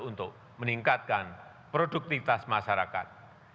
untuk meningkatkan produktivitas masyarakat